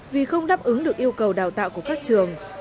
vì không đáp ứng được yêu cầu đào tạo của các trường